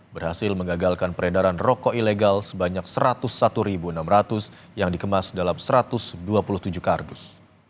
berhasil mengagalkan peredaran rokok ilegal sebanyak satu ratus satu enam ratus yang dikemas dalam satu ratus dua puluh tujuh kardus